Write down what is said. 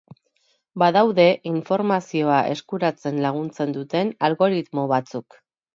Badaude informazioa eskuratzen laguntzen duten algoritmo batzuk.